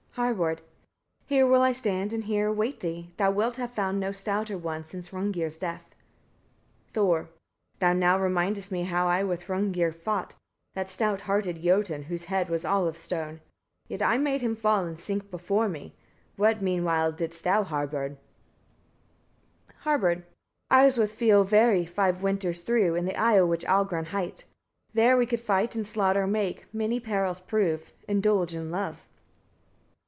Harbard. 14. Here will I stand, and here await thee. Thou wilt have found no stouter one since Hrungnir's death. Thor. 15. Thou now remindest me how I with Hrungnir fought, that stout hearted Jotun, whose head was all of stone; yet I made him fall, and sink before me. What meanwhile didst thou, Harbard? Harbard. 16. I was with Fiolvari five winters through, in the isle which Algron hight. There we could fight, and slaughter make, many perils prove, indulge in love.